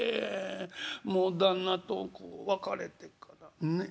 もう旦那とこう別れてからねえ」。